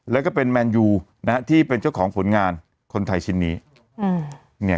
แล้วก็เป็นแมนยูนะฮะที่เป็นเจ้าของผลงานคนไทยชิ้นนี้